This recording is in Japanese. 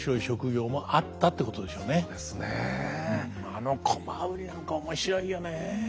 あの独楽売りなんか面白いよね。